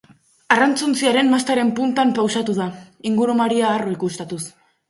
Arrantzontziaren mastaren puntan pausatu da, ingurumaria harro ikuskatuz.